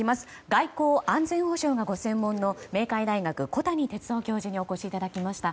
外交・安全保障がご専門の明海大学、小谷哲男教授にお越しいただきました。